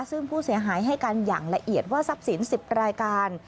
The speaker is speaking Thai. ซึ่งผู้เสียหายให้กันอย่างละเอียดว่าทรัพย์สิน๑๐รายการ